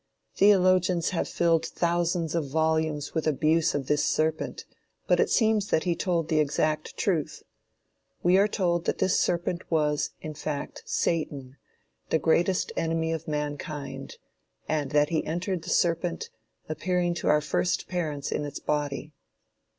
Theologians have filled thousands of volumes with abuse of this serpent, but it seems that he told the exact truth. We are told that this serpent was, in fact, Satan, the greatest enemy of mankind, and that he entered the serpent, appearing to our first parents in its body.